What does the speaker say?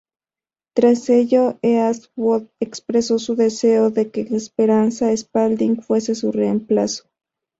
Tras ello, Eastwood expresó su deseo de que Esperanza Spalding fuese su reemplazo.